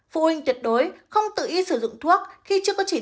phụ huynh tuyệt đối không tự ý sử dụng thuốc